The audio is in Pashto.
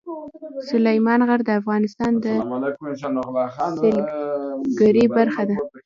سلیمان غر د افغانستان د سیلګرۍ برخه ده.